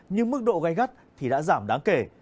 nhưng mức độ gai gắt thì đã giảm đáng kể